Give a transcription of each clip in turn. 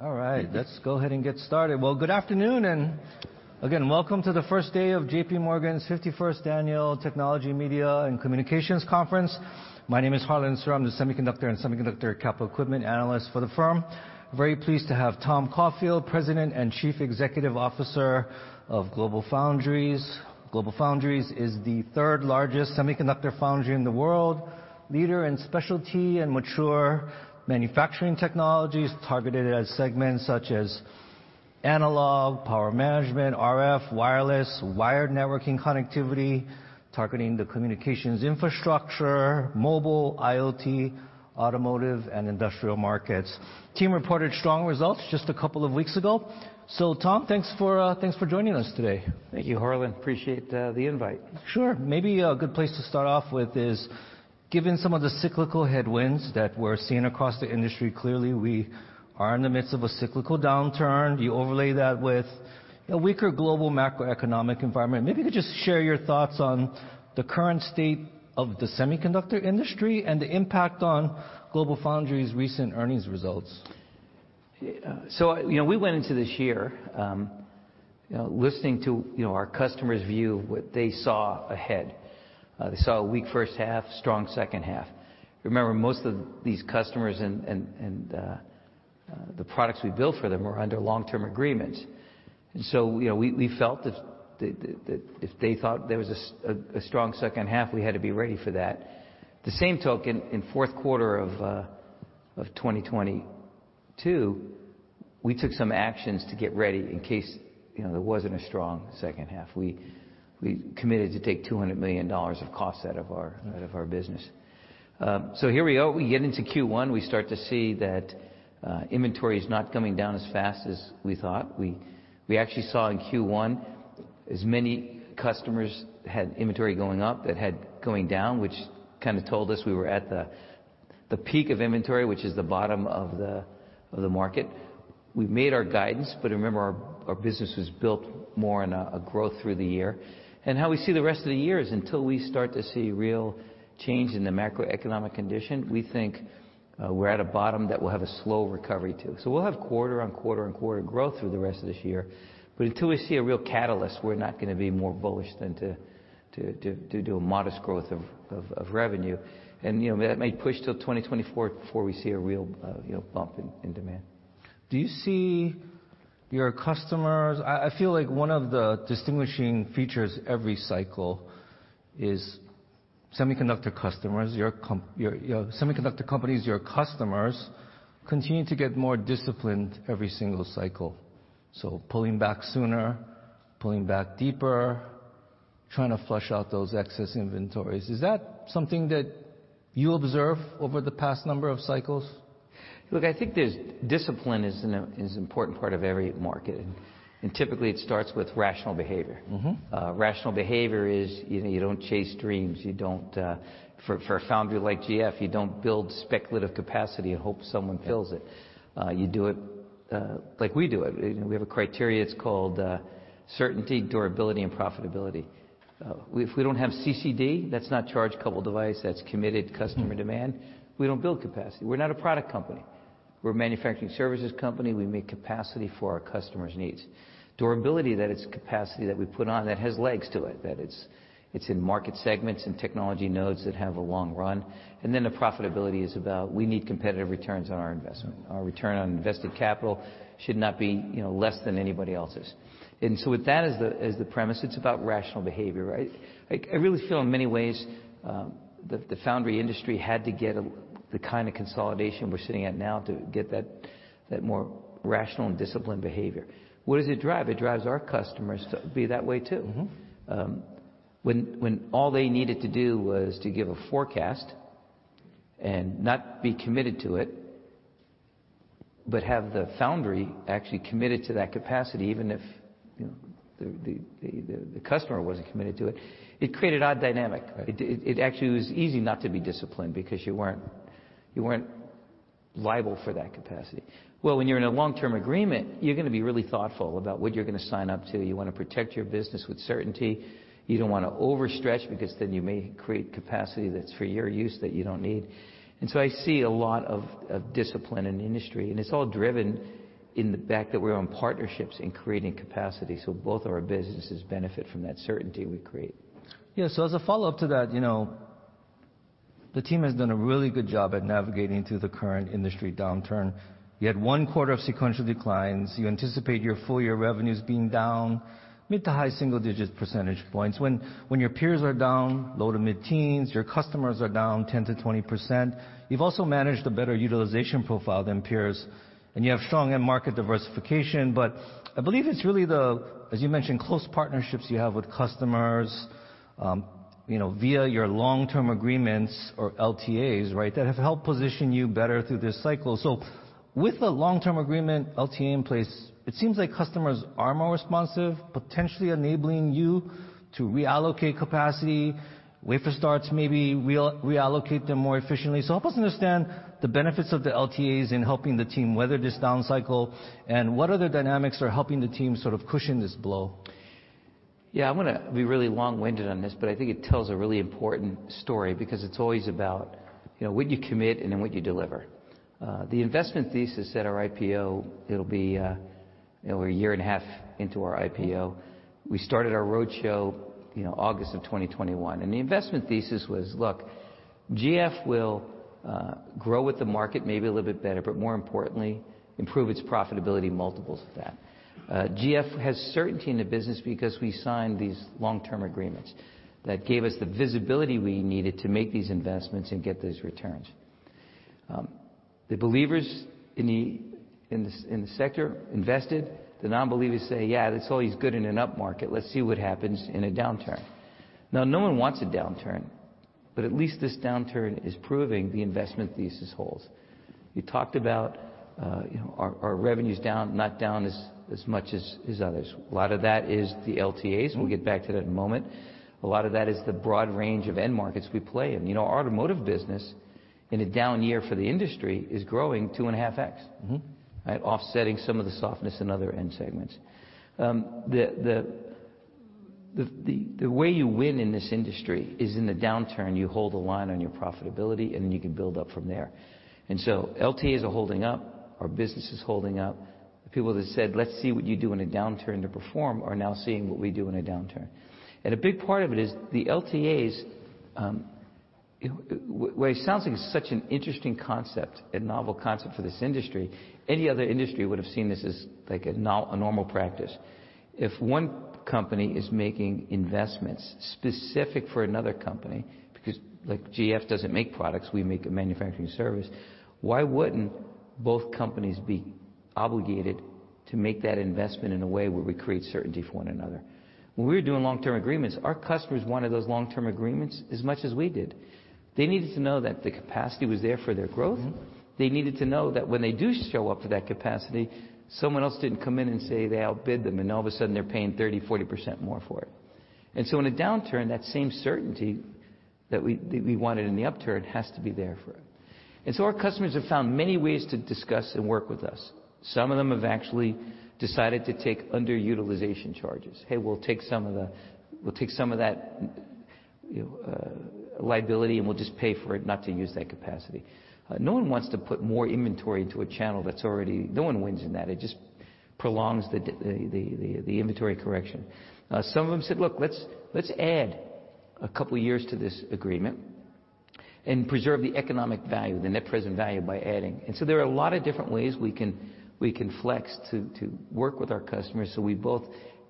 All right, let's go ahead and get started. Good afternoon, and again, welcome to the first day of JPMorgan's 51st annual Technology, Media, and Communications conference. My name is Harlan Sur, I'm the semiconductor and semiconductor capital equipment analyst for the firm. Very pleased to have Thomas Caulfield, President and Chief Executive Officer of GlobalFoundries. GlobalFoundries is the 3rd-largest semiconductor foundry in the world, leader in specialty and mature manufacturing technologies targeted at segments such as analog, power management, RF, wireless, wired networking connectivity, targeting the communications infrastructure, mobile, IoT, automotive, and industrial markets. Team reported strong results just a couple of weeks ago. Tom, thanks for joining us today. Thank you, Harlan. Appreciate, the invite. Sure. Maybe a good place to start off with is, given some of the cyclical headwinds that we're seeing across the industry, clearly we are in the midst of a cyclical downturn. You overlay that with a weaker global macroeconomic environment. Maybe you could just share your thoughts on the current state of the semiconductor industry and the impact on GlobalFoundries' recent earnings results. You know, we went into this year, you know, listening to, you know, our customers view what they saw ahead. They saw a weak first half, strong second half. Remember, most of these customers and the products we built for them were under Long-Term Agreements. You know, we felt if that if they thought there was a strong second half, we had to be ready for that. The same token, in fourth quarter of 2022, we took some actions to get ready in case, you know, there wasn't a strong second half. We committed to take $200 million of cost out of our business. Here we go. We get into Q1, we start to see that inventory is not coming down as fast as we thought. We actually saw in Q1, as many customers had inventory going up that had going down, which kind of told us we were at the peak of inventory, which is the bottom of the market. Remember our business was built more on a growth through the year. How we see the rest of the year is until we start to see real change in the macroeconomic condition, we think we're at a bottom that we'll have a slow recovery too. We'll have quarter-on-quarter and quarter growth through the rest of this year. Until we see a real catalyst, we're not gonna be more bullish than to do a modest growth of revenue. You know, that may push till 2024 before we see a real, you know, bump in demand. Do you see your customers, I feel like one of the distinguishing features every cycle is semiconductor customers, your semiconductor companies, your customers continue to get more disciplined every single cycle. Pulling back sooner, pulling back deeper, trying to flush out those excess inventories. Is that something that you observe over the past number of cycles? Look, I think there's discipline is an important part of every market. Typically it starts with rational behavior. Mm-hmm. Rational behavior is, you know, you don't chase dreams. You don't, for a foundry like GF, you don't build speculative capacity and hope someone fills it. You do it, like we do it. You know, we have a criteria, it's called, certainty, durability, and profitability. If we don't have CCD, that's not charge-coupled device, that's committed customer demand, we don't build capacity. We're not a product company. We're a manufacturing services company. We make capacity for our customers' needs. Durability, that it's capacity that we put on that has legs to it, that it's in market segments and technology nodes that have a long run. The profitability is about we need competitive returns on our investment. Our return on invested capital should not be, you know, less than anybody else's. With that as the premise, it's about rational behavior, right? I really feel in many ways, the foundry industry had to get the kind of consolidation we're sitting at now to get that more rational and disciplined behavior. What does it drive? It drives our customers to be that way too. Mm-hmm. When all they needed to do was to give a forecast and not be committed to it, but have the foundry actually committed to that capacity, even if, you know, the customer wasn't committed to it created odd dynamic. Right. It actually was easy not to be disciplined because you weren't liable for that capacity. When you're in a long-term agreement, you're gonna be really thoughtful about what you're gonna sign up to. You wanna protect your business with certainty. You don't wanna overstretch because then you may create capacity that's for your use that you don't need. I see a lot of discipline in the industry, and it's all driven in the fact that we're on partnerships in creating capacity, both of our businesses benefit from that certainty we create. As a follow-up to that, you know, the team has done a really good job at navigating through the current industry downturn. You had one quarter of sequential declines. You anticipate your full year revenues being down mid to high single-digit percentage points when your peers are down low to mid-teens, your customers are down 10%-20%. You've also managed a better utilization profile than peers, and you have strong end market diversification. I believe it's really the, as you mentioned, close partnerships you have with customers, you know, via your Long-Term Agreements or LTAs, right, that have helped position you better through this cycle. With a Long-Term Agreement, LTA in place, it seems like customers are more responsive, potentially enabling you to reallocate capacity, wafer starts, maybe reallocate them more efficiently. Help us understand the benefits of the LTAs in helping the team weather this down cycle and what other dynamics are helping the team sort of cushion this blow? I'm gonna be really long-winded on this. I think it tells a really important story because it's always about, you know, what you commit and then what you deliver. The investment thesis at our IPO, it'll be over a year and a half into our IPO. We started our roadshow, you know, August of 2021. The investment thesis was, look, GF will grow with the market maybe a little bit better, but more importantly, improve its profitability multiples of that. GF has certainty in the business because we signed these Long-Term Agreements that gave us the visibility we needed to make these investments and get those returns. The believers in the sector invested. The non-believers say, "Yeah, that's always good in an upmarket. Let's see what happens in a downturn." No one wants a downturn, but at least this downturn is proving the investment thesis holds. You talked about, you know, our revenue's down, not down as much as others. A lot of that is the LTAs, we'll get back to that in a moment. A lot of that is the broad range of end markets we play in. You know, our automotive business in a down year for the industry is growing two and a half X. Mm-hmm. Right? Offsetting some of the softness in other end segments. The way you win in this industry is in the downturn, you hold the line on your profitability, and then you can build up from there. LTAs are holding up. Our business is holding up. The people that said, "Let's see what you do in a downturn to perform," are now seeing what we do in a downturn. A big part of it is the LTAs, you know, where it sounds like such an interesting concept, a novel concept for this industry, any other industry would've seen this as like a normal practice. If one company is making investments specific for another company, because like GF doesn't make products, we make a manufacturing service, why wouldn't both companies be obligated to make that investment in a way where we create certainty for one another? When we were doing Long-Term Agreements, our customers wanted those Long-Term Agreements as much as we did. They needed to know that the capacity was there for their growth. Mm-hmm. They needed to know that when they do show up for that capacity, someone else didn't come in and say they outbid them, and all of a sudden, they're paying 30%, 40% more for it. In a downturn, that same certainty that we wanted in the upturn has to be there for it. Our customers have found many ways to discuss and work with us. Some of them have actually decided to take underutilization charges. "Hey, we'll take some of that liability, and we'll just pay for it not to use that capacity." No one wants to put more inventory into a channel that's already. No one wins in that. It just prolongs the inventory correction. Some of them said, "Look, let's add a couple years to this agreement and preserve the economic value, the net present value by adding." There are a lot of different ways we can flex to work with our customers so we both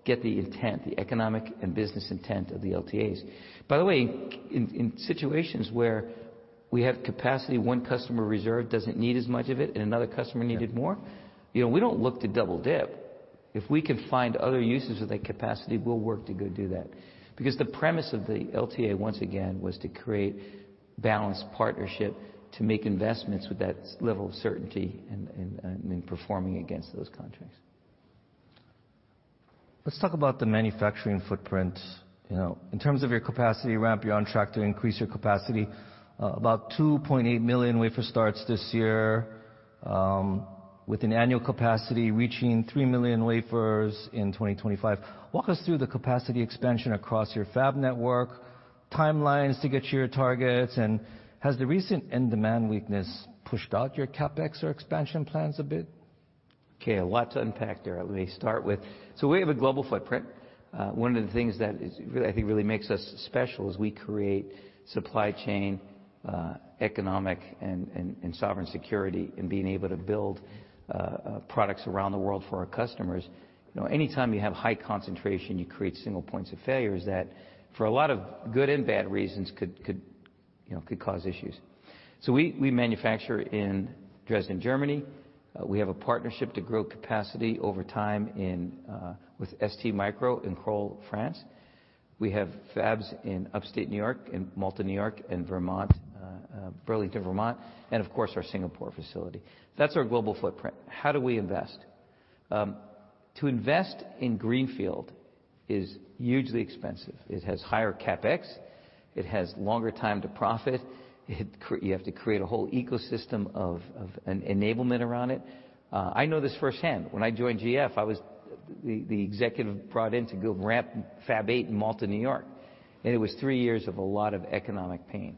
get the intent, the economic and business intent of the LTAs. By the way, in situations where we have capacity one customer reserved doesn't need as much of it, and another customer needed more- Yeah. You know, we don't look to double dip. If we can find other uses of that capacity, we'll work to go do that. The premise of the LTA, once again, was to create balanced partnership to make investments with that level of certainty and in performing against those contracts. Let's talk about the manufacturing footprint. You know, in terms of your capacity ramp, you're on track to increase your capacity, about 2.8 million wafer starts this year, with an annual capacity reaching 3 million wafers in 2025. Walk us through the capacity expansion across your fab network, timelines to get to your targets, and has the recent end demand weakness pushed out your CapEx or expansion plans a bit? A lot to unpack there. Let me start with, we have a global footprint. One of the things that is really, I think really makes us special is we create supply chain, economic and sovereign security in being able to build products around the world for our customers. You know, anytime you have high concentration, you create single points of failure that, for a lot of good and bad reasons could, you know, could cause issues. We manufacture in Dresden, Germany. We have a partnership to grow capacity over time in with STMicroelectronics in Crolles, France. We have fabs in Upstate New York, in Malta, New York, and Vermont, Burlington, Vermont, and of course, our Singapore facility. That's our global footprint. How do we invest? To invest in Greenfield is hugely expensive. It has higher CapEx, it has longer time to profit. You have to create a whole ecosystem of an enablement around it. I know this firsthand. When I joined GF, I was the executive brought in to go ramp Fab 8 in Malta, New York, and it was 3 years of a lot of economic pain.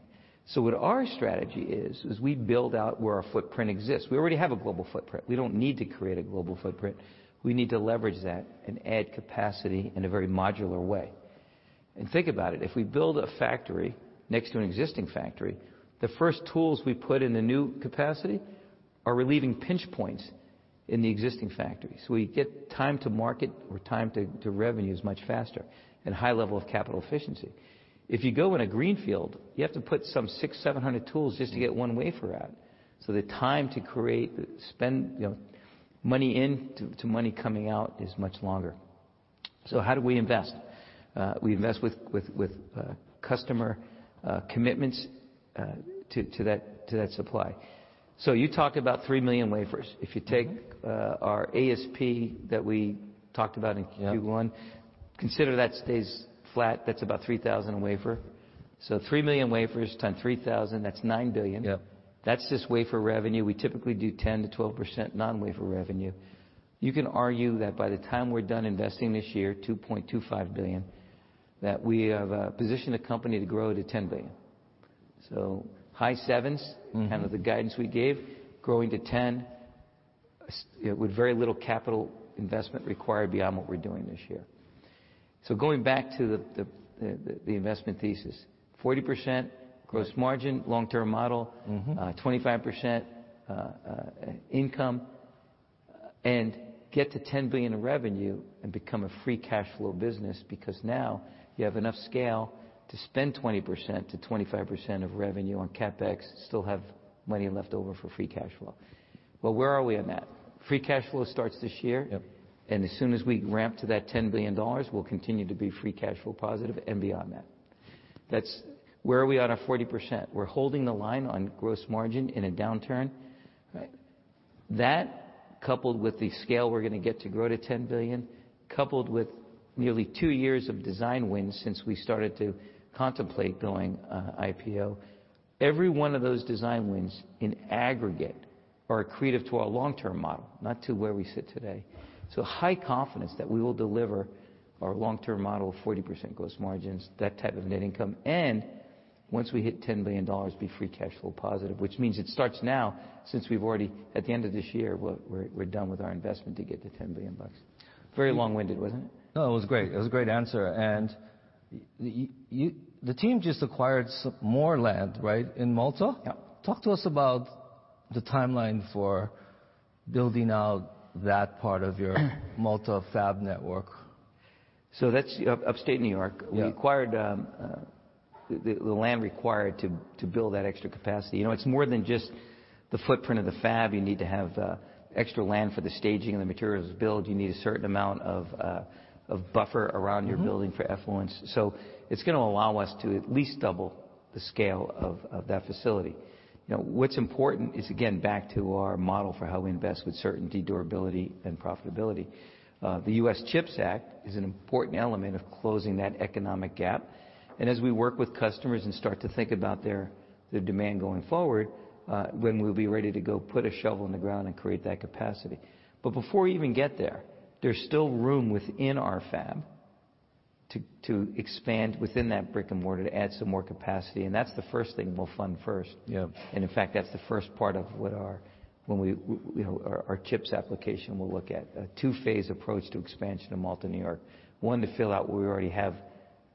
What our strategy is, we build out where our footprint exists. We already have a global footprint. We don't need to create a global footprint. We need to leverage that and add capacity in a very modular way. Think about it, if we build a factory next to an existing factory, the first tools we put in the new capacity are relieving pinch points in the existing factory. We get time to market or time to revenue is much faster and high level of capital efficiency. If you go in a greenfield, you have to put some 6,700 tools just to get one wafer out. The time to create, spend, you know, money in to money coming out is much longer. How do we invest? We invest with, with customer commitments to that supply. You talked about 3 million wafers. If you take our ASP that we talked about in Q1- Yeah. Consider that stays flat, that's about $3,000 a wafer. Three million wafers times $3,000, that's $9 billion. Yep. That's just wafer revenue. We typically do 10%-12% non-wafer revenue. You can argue that by the time we're done investing this year, $2.25 billion, that we have positioned the company to grow to $10 billion. High sevens- Mm-hmm. Kind of the guidance we gave, growing to 10, with very little capital investment required beyond what we're doing this year. Going back to the investment thesis, 40% gross margin long-term model. Mm-hmm. 25% income, and get to $10 billion in revenue and become a free cash flow business because now you have enough scale to spend 20%-25% of revenue on CapEx, still have money left over for free cash flow. Well, where are we on that? Free cash flow starts this year. Yep. As soon as we ramp to that $10 billion, we'll continue to be free cash flow positive and beyond that. That's where are we on our 40%? We're holding the line on gross margin in a downturn. Right. That coupled with the scale we're gonna get to grow to $10 billion, coupled with nearly two years of design wins since we started to contemplate going, IPO, every one of those design wins in aggregate are accretive to our long-term model, not to where we sit today. High confidence that we will deliver our long-term model of 40% gross margins, that type of net income, and once we hit $10 billion, be free cash flow positive, which means it starts now since we've already at the end of this year, we're done with our investment to get to $10 billion. Very long-winded, wasn't it? No, it was great. It was a great answer. You the team just acquired some more land, right, in Malta? Yep. Talk to us about the timeline for building out that part of your Malta fab network. That's Upstate New York. Yeah. We acquired the land required to build that extra capacity. You know, it's more than just the footprint of the fab. You need to have extra land for the staging and the materials build. You need a certain amount of buffer around your building for effluence. It's gonna allow us to at least double the scale of that facility. You know, what's important is, again, back to our model for how we invest with certainty, durability, and profitability. The U.S. CHIPS Act is an important element of closing that economic gap. As we work with customers and start to think about the demand going forward, when we'll be ready to go put a shovel in the ground and create that capacity. Before we even get there's still room within our fab to expand within that brick-and-mortar to add some more capacity, and that's the first thing we'll fund first. Yeah. In fact, that's the first part of what when we, you know, our CHIPS application will look at, a 2-phase approach to expansion of Malta, New York. 1 to fill out what we already have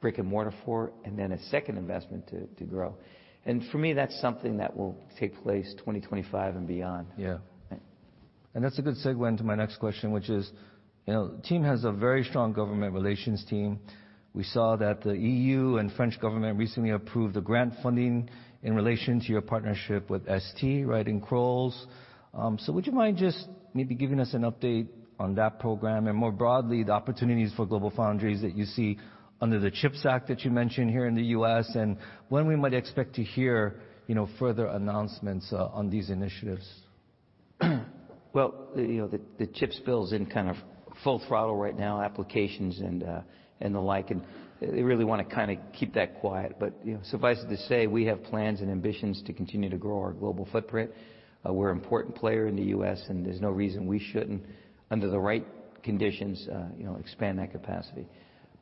brick-and-mortar for, and then a 2nd investment to grow. For me, that's something that will take place 2025 and beyond. Yeah. Right. That's a good segue into my next question, which is, you know, the team has a very strong government relations team. We saw that the EU and French government recently approved the grant funding in relation to your partnership with ST, right, in Crolles. Would you mind just maybe giving us an update on that program and more broadly, the opportunities for GlobalFoundries that you see under the CHIPS Act that you mentioned here in the US, and when we might expect to hear, you know, further announcements on these initiatives? Well, you know, the CHIPS bill is in kind of full throttle right now, applications and the like, and they really wanna kinda keep that quiet. you know, suffice it to say, we have plans and ambitions to continue to grow our global footprint. we're an important player in the US, and there's no reason we shouldn't, under the right conditions, you know, expand that capacity.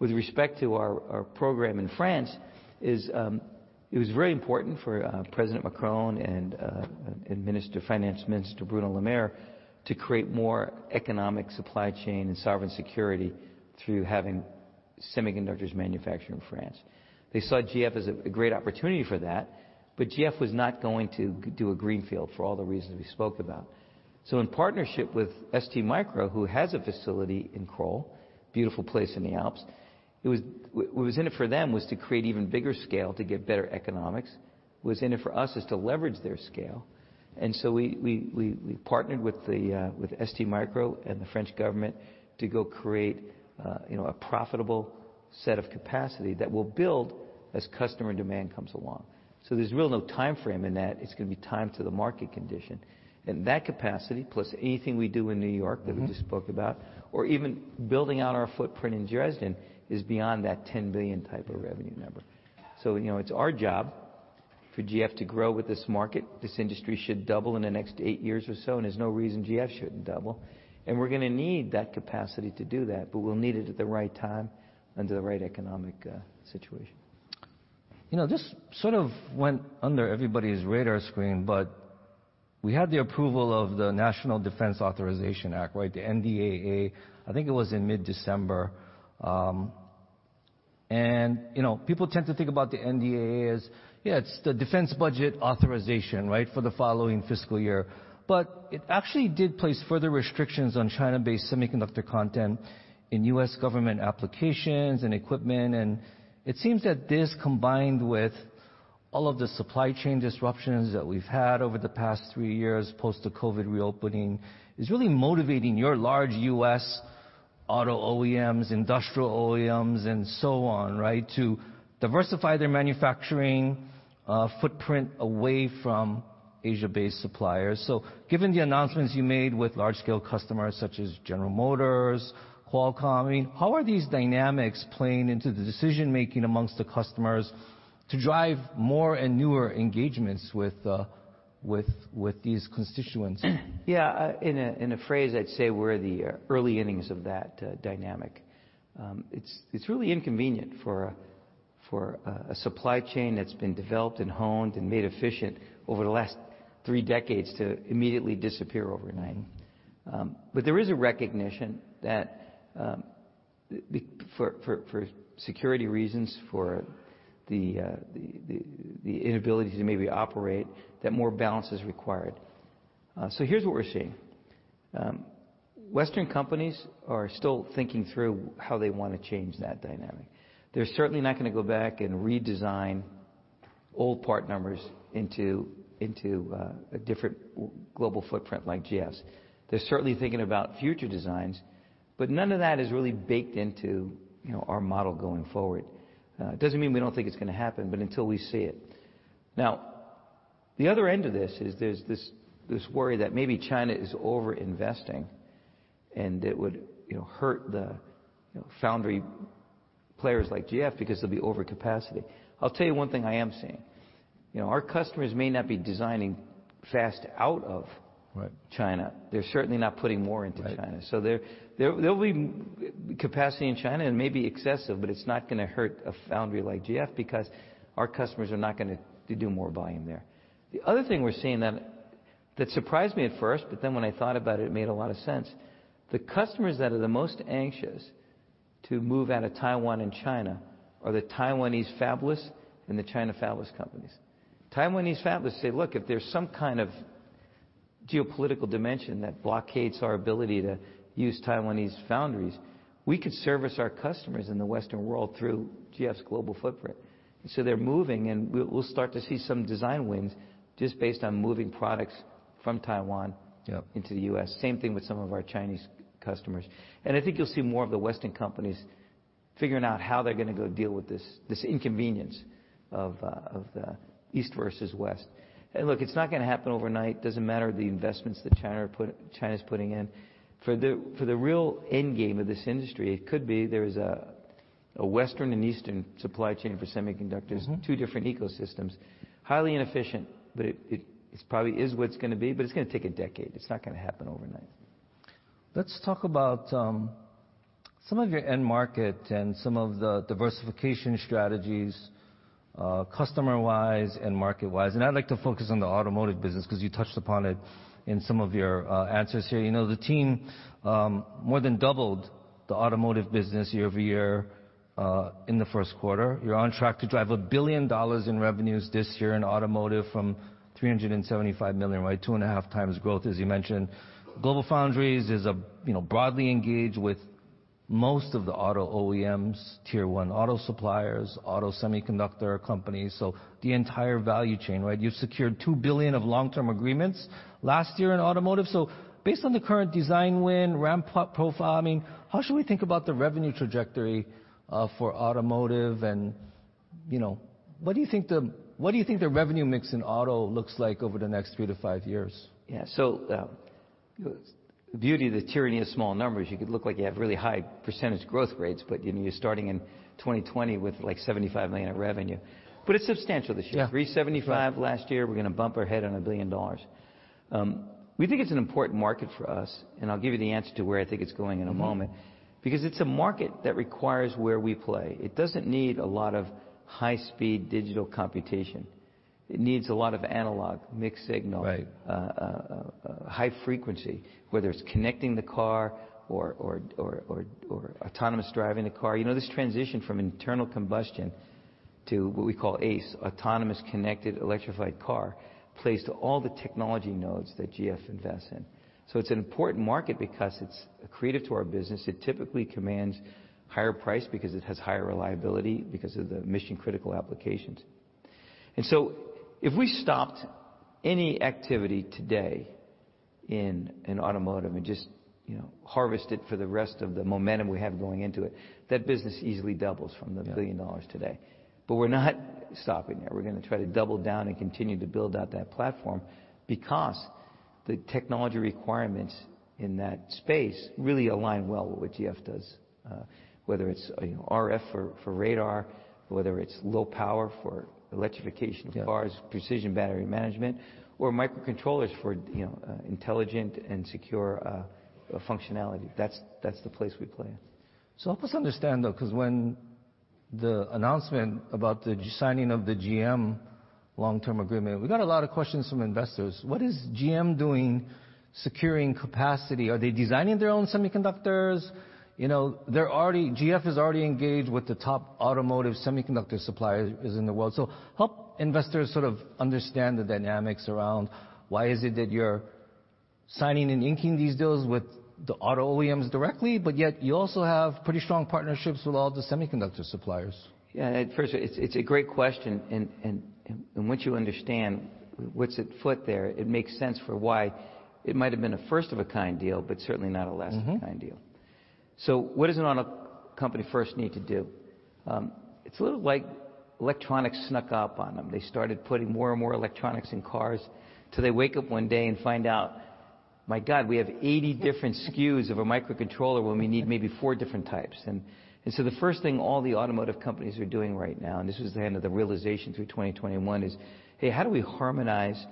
With respect to our program in France is, it was very important for President Macron and Minister, Finance Minister Bruno Le Maire to create more economic supply chain and sovereign security through having semiconductors manufactured in France. They saw GF as a great opportunity for that, but GF was not going to do a greenfield for all the reasons we spoke about. In partnership with STMicroelectronics, who has a facility in Crolles, beautiful place in the Alps, what was in it for them was to create even bigger scale to get better economics. What's in it for us is to leverage their scale. We partnered with STMicroelectronics and the French Government to go create, you know, a profitable set of capacity that we'll build as customer demand comes along. There's really no timeframe in that. It's gonna be tied to the market condition. That capacity plus anything we do in New York. Mm-hmm. that we just spoke about or even building out our footprint in Dresden is beyond that $10 billion type of revenue number. You know, it's our job for GF to grow with this market. This industry should double in the next 8 years or so, and there's no reason GF shouldn't double. We're gonna need that capacity to do that, but we'll need it at the right time under the right economic situation. You know, this sort of went under everybody's radar screen, but we had the approval of the National Defense Authorization Act, right, the NDAA, I think it was in mid-December. You know, people tend to think about the NDAA as, yeah, it's the defense budget authorization, right, for the following fiscal year. It actually did place further restrictions on China-based semiconductor content in U.S. government applications and equipment, and it seems that this, combined with all of the supply chain disruptions that we've had over the past three years post the COVID reopening, is really motivating your large U.S. auto OEMs, industrial OEMs, and so on, right, to diversify their manufacturing footprint away from Asia-based suppliers. given the announcements you made with large-scale customers such as General Motors, Qualcomm, I mean, how are these dynamics playing into the decision-making amongst the customers to drive more and newer engagements with these constituents? Yeah. In a phrase, I'd say we're the early innings of that dynamic. It's really inconvenient for a supply chain that's been developed and honed and made efficient over the last three decades to immediately disappear overnight. There is a recognition that for security reasons, for the inability to maybe operate, that more balance is required. Here's what we're seeing. Western companies are still thinking through how they wanna change that dynamic. They're certainly not gonna go back and redesign old part numbers into a different global footprint like GF's. They're certainly thinking about future designs. None of that is really baked into, you know, our model going forward. It doesn't mean we don't think it's gonna happen. Until we see it. The other end of this is there's this worry that maybe China is overinvesting, and it would, you know, hurt the, you know, foundry players like GF because there'll be overcapacity. I'll tell you one thing I am seeing. You know, our customers may not be designing fast. Right China. They're certainly not putting more into China. Right. There, there'll be capacity in China, and maybe excessive, but it's not gonna hurt a foundry like GF because our customers are not gonna do more volume there. The other thing we're seeing that surprised me at first, but then when I thought about it made a lot of sense. The customers that are the most anxious to move out of Taiwan and China are the Taiwanese fabless and the China fabless companies. Taiwanese fabless say, "Look, if there's some kind of geopolitical dimension that blockades our ability to use Taiwanese foundries, we could service our customers in the Western world through GF's global footprint." They're moving, and we'll start to see some design wins just based on moving products from Taiwan... Yep into the U.S. Same thing with some of our Chinese customers. I think you'll see more of the Western companies figuring out how they're going to go deal with this inconvenience of East versus West. Look, it's not going to happen overnight. Doesn't matter the investments that China's putting in. For the real endgame of this industry, it could be there's a Western and Eastern supply chain for semiconductors. Mm-hmm. Two different ecosystems. Highly inefficient, it is probably what it's gonna be, but it's gonna take a decade. It's not gonna happen overnight. Let's talk about some of your end market and some of the diversification strategies, customer-wise and market-wise. I'd like to focus on the automotive business 'cause you touched upon it in some of your answers here. You know, the team more than doubled the automotive business year-over-year in the first quarter. You're on track to drive $1 billion in revenues this year in automotive from $375 million, right? 2.5 times growth, as you mentioned. GlobalFoundries is a, you know, broadly engaged with most of the auto OEMs, tier one auto suppliers, auto semiconductor companies, so the entire value chain, right? You've secured $2 billion of Long-Term Agreements last year in automotive. Based on the current design win, ramp profiling, how should we think about the revenue trajectory for automotive and, you know, what do you think the revenue mix in auto looks like over the next three to five years? Yeah. The beauty of the tyranny of small numbers, you could look like you have really high percentage growth rates, but, you know, you're starting in 2020 with, like, $75 million of revenue. It's substantial this year. Yeah. $375 last year, we're gonna bump our head on $1 billion. We think it's an important market for us, and I'll give you the answer to where I think it's going in a moment. Mm-hmm. Because it's a market that requires where we play. It doesn't need a lot of high-speed digital computation. It needs a lot of analog, mixed signal-. Right... high frequency, whether it's connecting the car or autonomous driving the car. You know, this transition from internal combustion to what we call ACE, autonomous connected electrified car, plays to all the technology nodes that GF invests in. It's an important market because it's accretive to our business. It typically commands higher price because it has higher reliability because of the mission-critical applications. If we stopped any activity today in automotive and just, you know, harvest it for the rest of the momentum we have going into it, that business easily doubles from. Yeah... the $1 billion today. We're not stopping there. We're gonna try to double down and continue to build out that platform because the technology requirements in that space really align well with what GF does. Whether it's, you know, RF for radar, whether it's low power for electrification of cars- Yeah... precision battery management, or microcontrollers for, you know, intelligent and secure functionality. That's the place we play in. Help us understand, though, because when the announcement about the signing of the GM Long-Term Agreement, we got a lot of questions from investors. What is GM doing securing capacity? Are they designing their own semiconductors? You know, GF is already engaged with the top automotive semiconductor suppliers in the world. Help investors sort of understand the dynamics around why is it that you're signing and inking these deals with the auto OEMs directly, but yet you also have pretty strong partnerships with all the semiconductor suppliers. Yeah. At first, it's a great question and once you understand what's at foot there, it makes sense for why it might've been a first of a kind deal, but certainly not a last kind deal. Mm-hmm. What is it Company first need to do. It's a little like electronics snuck up on them. They started putting more and more electronics in cars till they wake up one day and find out, "My God, we have 80 different SKUs of a microcontroller when we need maybe 4 different types." The first thing all the automotive companies are doing right now, and this was the end of the realization through 2021, is, "Hey, how do we harmonize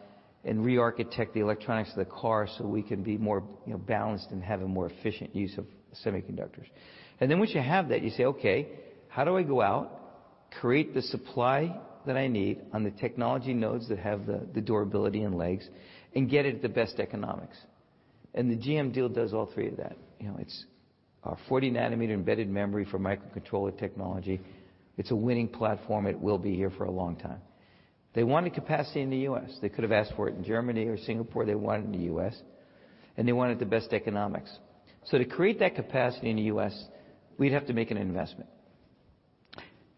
and rearchitect the electronics of the car so we can be more, you know, balanced and have a more efficient use of semiconductors?" Once you have that, you say, "Okay, how do I go out, create the supply that I need on the technology nodes that have the durability and legs and get it at the best economics?" The GM deal does all three of that. You know, it's 40nm embedded non-volatile memory for microcontroller technology. It's a winning platform. It will be here for a long time. They wanted capacity in the U.S. They could have asked for it in Germany or Singapore. They want it in the U.S., and they wanted the best economics. To create that capacity in the U.S., we'd have to make an investment.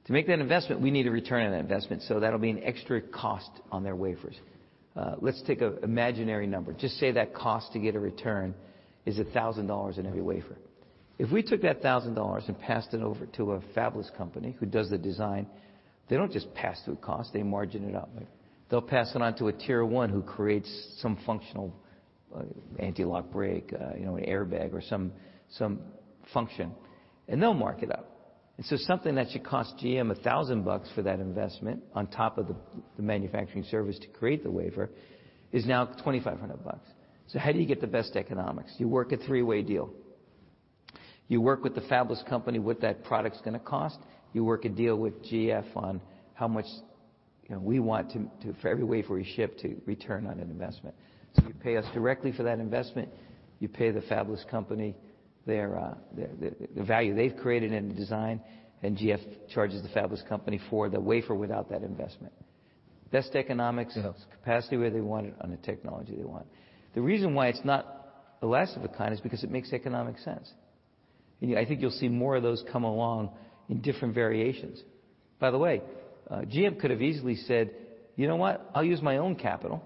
To make that investment, we need a return on that investment, so that'll be an extra cost on their wafers. Let's take an imaginary number. Just say that cost to get a return is $1,000 in every wafer. If we took that $1,000 and passed it over to a fabless company who does the design, they don't just pass through cost, they margin it up. They'll pass it on to a tier one who creates some functional anti-lock brake, you know, an airbag or some function, and they'll mark it up. Something that should cost GM $1,000 for that investment on top of the manufacturing service to create the wafer is now $2,500. How do you get the best economics? You work a three-way deal. You work with the fabless company, what that product's gonna cost. You work a deal with GF on how much, you know, we want to for every wafer we ship to return on an investment. You pay us directly for that investment. You pay the fabless company their, the value they've created in the design, and GF charges the fabless company for the wafer without that investment. Best economics. Yeah. Capacity where they want it on the technology they want. The reason why it's not the last of a kind is because it makes economic sense. You know, I think you'll see more of those come along in different variations. By the way, GM could have easily said, "You know what? I'll use my own capital.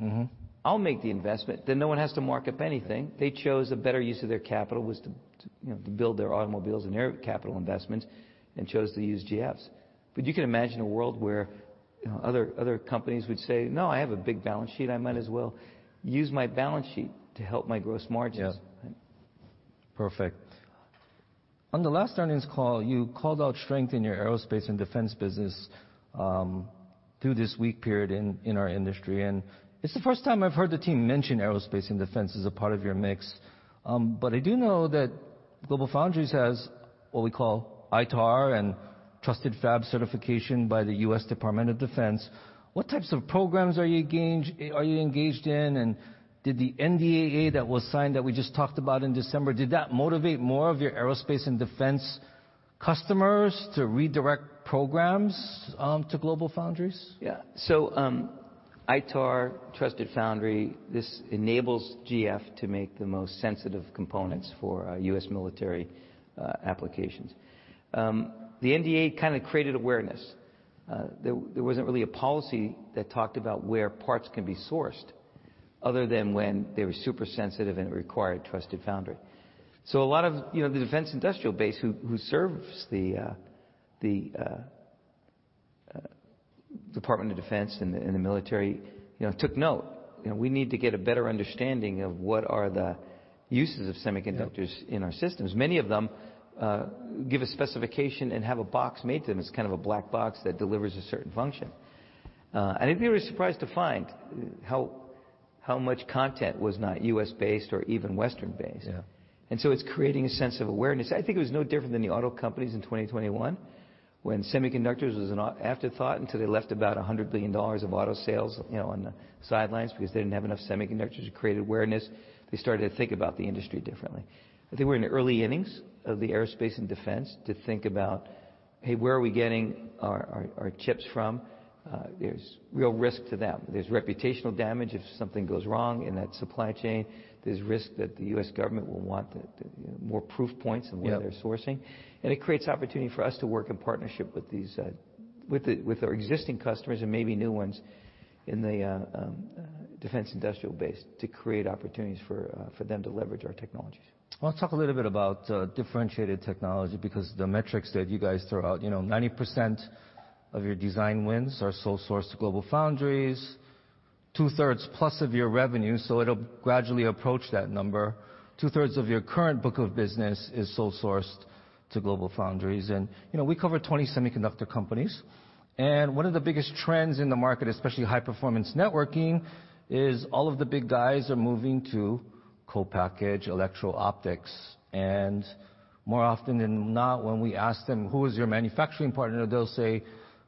Mm-hmm. I'll make the investment," then no one has to mark up anything. They chose a better use of their capital was to, you know, to build their automobiles and their capital investments and chose to use GF's. You can imagine a world where, you know, other companies would say, "No, I have a big balance sheet. I might as well use my balance sheet to help my gross margins. Yeah. Perfect. On the last earnings call, you called out strength in your aerospace and defense business through this weak period in our industry. It's the first time I've heard the team mention aerospace and defense as a part of your mix. I do know that GlobalFoundries has what we call ITAR and Trusted Fab certification by the US Department of Defense. What types of programs are you engaged in? Did the NDAA that was signed that we just talked about in December, did that motivate more of your aerospace and defense customers to redirect programs to GlobalFoundries? ITAR, Trusted Foundry, this enables GF to make the most sensitive components for U.S. military applications. The NDA kind of created awareness. There wasn't really a policy that talked about where parts can be sourced other than when they were super sensitive and it required Trusted Foundry. A lot of, you know, the Defense Industrial Base who serves the Department of Defense and the military, you know, took note. You know, we need to get a better understanding of what are the uses of semiconductors- Yeah. in our systems. Many of them give a specification and have a box made to them. It's kind of a black box that delivers a certain function. They were surprised to find how much content was not U.S.-based or even Western-based. Yeah. It's creating a sense of awareness. I think it was no different than the auto companies in 2021 when semiconductors was an afterthought until they left about $100 billion of auto sales, you know, on the sidelines because they didn't have enough semiconductors to create awareness. They started to think about the industry differently. I think we're in the early innings of the aerospace and defense to think about, "Hey, where are we getting our chips from?" There's real risk to them. There's reputational damage if something goes wrong in that supply chain. There's risk that the U.S. government will want, you know, more proof points. Yeah. What they're sourcing. It creates opportunity for us to work in partnership with these, with our existing customers and maybe new ones in the Defense Industrial Base to create opportunities for them to leverage our technologies. Well, let's talk a little bit about differentiated technology because the metrics that you guys throw out, you know, 90% of your design wins are sole sourced to GlobalFoundries, two-thirds plus of your revenue, so it'll gradually approach that number. Two-thirds of your current book of business is sole sourced to GlobalFoundries. You know, we cover 20 semiconductor companies, and one of the biggest trends in the market, especially high-performance networking, is all of the big guys are moving to co-packaged electro optics. More often than not, when we ask them, "Who is your manufacturing partner?" They'll say,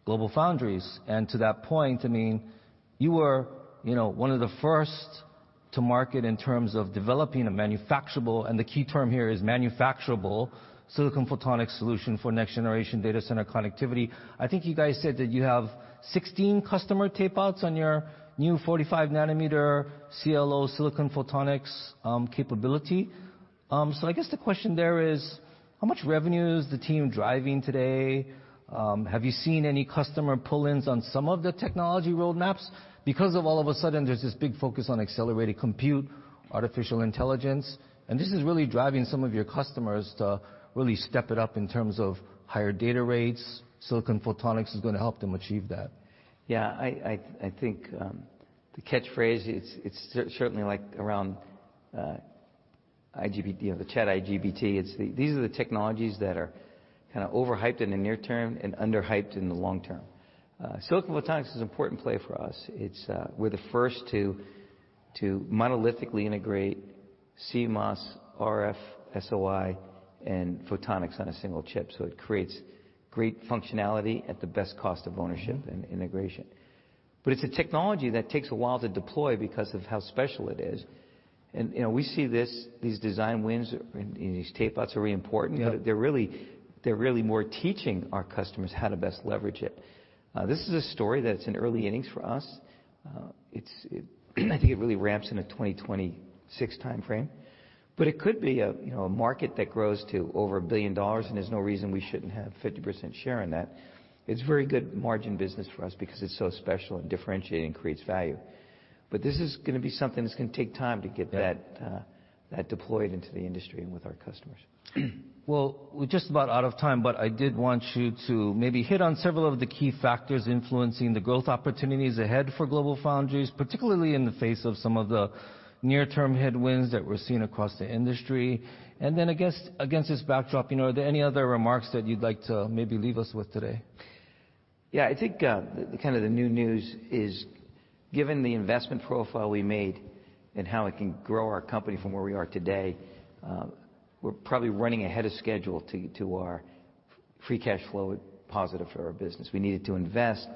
"GlobalFoundries." To that point, I mean, you were, you know, one of the first to market in terms of developing a manufacturable, and the key term here is manufacturable, silicon photonic solution for next generation data center connectivity. I think you guys said that you have 16 customer tape-outs on your new 45nm CLO silicon photonics capability. I guess the question there is how much revenue is the team driving today? Have you seen any customer pull-ins on some of the technology roadmaps? Because of all of a sudden there's this big focus on accelerated compute, artificial intelligence, and this is really driving some of your customers to really step it up in terms of higher data rates. silicon photonics is gonna help them achieve that. Yeah. I think, the catchphrase, it's certainly like around, you know, the chat IGBT. These are the technologies that are kinda overhyped in the near term and underhyped in the long term. silicon photonics is an important play for us. We're the first to monolithically integrate CMOS, RF, SOI and photonics on a single chip, so it creates great functionality at the best cost of ownership and integration. It's a technology that takes a while to deploy because of how special it is. You know, we see this, these design wins and these tape-outs are really important. Yeah. They're really more teaching our customers how to best leverage it. This is a story that's in early innings for us. I think it really ramps in the 2026 timeframe. It could be a, you know, a market that grows to over $1 billion, and there's no reason we shouldn't have 50% share in that. It's very good margin business for us because it's so special and differentiating, creates value. This is gonna be something that's gonna take time to get that- Yeah. that deployed into the industry and with our customers. Well, we're just about out of time, but I did want you to maybe hit on several of the key factors influencing the growth opportunities ahead for GlobalFoundries, particularly in the face of some of the near-term headwinds that we're seeing across the industry. I guess against this backdrop, you know, are there any other remarks that you'd like to maybe leave us with today? Yeah. I think, kind of the new news is, given the investment profile we made and how it can grow our company from where we are today, we're probably running ahead of schedule to our free cash flow positive for our business. We needed to invest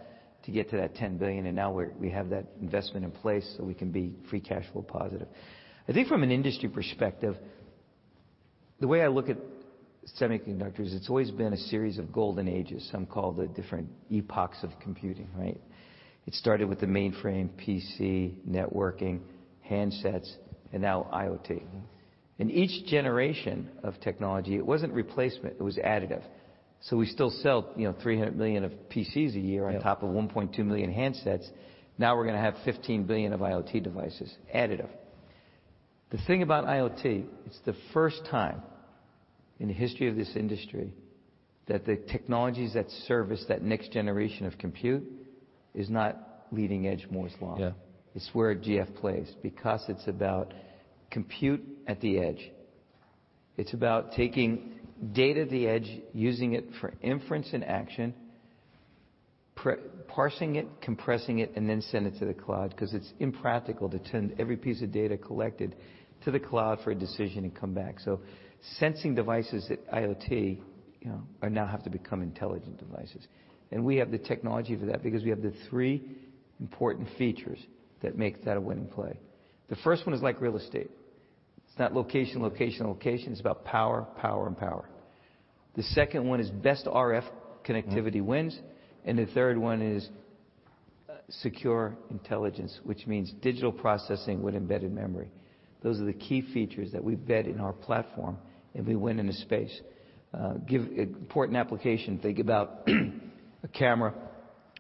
to get to that $10 billion, and now we have that investment in place, so we can be free cash flow positive. I think from an industry perspective, the way I look at semiconductors, it's always been a series of golden ages, some called the different epochs of computing, right? It started with the mainframe PC, networking, handsets, and now IoT. Mm-hmm. In each generation of technology, it wasn't replacement, it was additive. We still sell, you know, 300 million of PCs a year... Yeah. on top of 1.2 million handsets. Now we're gonna have 15 billion of IoT devices additive. The thing about IoT, it's the first time in the history of this industry that the technologies that service that next generation of compute is not leading edge Moore's Law. Yeah. It's where GF plays because it's about compute at the edge. It's about taking data at the edge, using it for inference and action, parsing it, compressing it, send it to the cloud, 'cause it's impractical to send every piece of data collected to the cloud for a decision and come back. Sensing devices at IoT, you know, are now have to become intelligent devices. We have the technology for that because we have the three important features that make that a winning play. The first one is like real estate. It's not location, location. It's about power and power. The second one is best RF connectivity wins, the third one is secure intelligence, which means digital processing with embedded memory. Those are the key features that we've embed in our platform, we win in the space. Give important application. Think about a camera,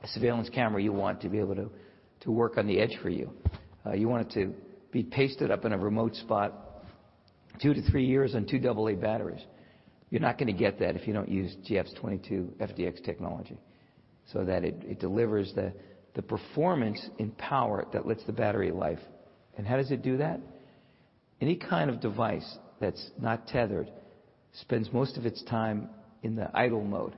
a surveillance camera you want to be able to work on the edge for you. You want it to be pasted up in a remote spot 2 to 3 years on 2 double A batteries. You're not gonna get that if you don't use GF's 22FDX technology, so that it delivers the performance and power that lets the battery life. How does it do that? Any kind of device that's not tethered spends most of its time in the idle mode.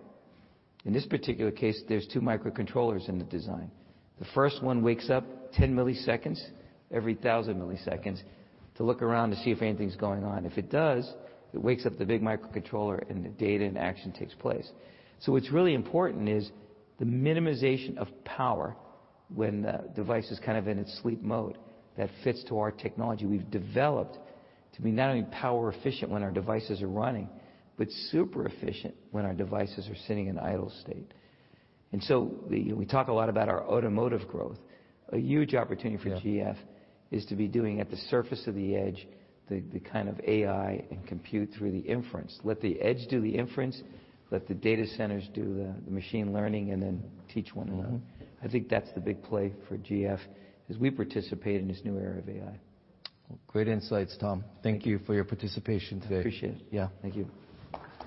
In this particular case, there's 2 microcontrollers in the design. The first one wakes up 10 milliseconds, every 1,000 milliseconds to look around to see if anything's going on. If it does, it wakes up the big microcontroller and the data and action takes place. What's really important is the minimization of power when the device is kind of in its sleep mode that fits to our technology we've developed to be not only power efficient when our devices are running, but super efficient when our devices are sitting in idle state. We talk a lot about our automotive growth. A huge opportunity. Yeah. -for GF is to be doing at the surface of the edge, the kind of AI and compute through the inference. Let the edge do the inference, let the data centers do the machine learning, then teach one another. Mm-hmm. I think that's the big play for GF as we participate in this new era of AI. Great insights, Tom. Thank you for your participation today. Appreciate it. Yeah. Thank you.